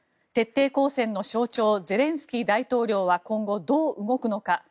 徹底抗戦の象徴ゼレンスキー大統領は今後、どう動くのか。